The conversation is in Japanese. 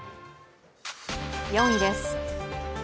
４位です。